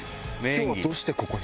今日はどうしてここに？